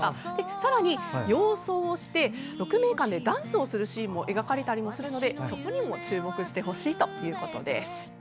さらに、洋装をして鹿鳴館でダンスをするシーンも描かれたりもするので、そこにも注目してほしいということです。